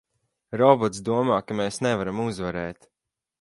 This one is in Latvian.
Robots domā, ka mēs nevaram uzvarēt!